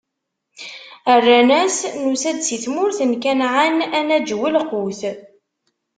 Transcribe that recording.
Rran-as: Nusa-d si tmurt n Kanɛan, ad naǧew lqut.